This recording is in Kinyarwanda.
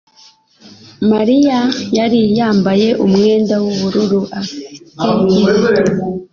Mariya yari yambaye umwenda w'ubururu ufite ivi.